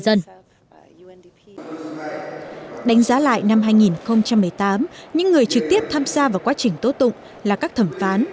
đánh giá lại năm hai nghìn một mươi tám những người trực tiếp tham gia vào quá trình tố tụng là các thẩm phán